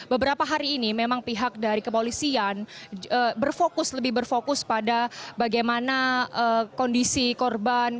beberapa hari ini memang pihak dari kepolisian berfokus lebih berfokus pada bagaimana kondisi korban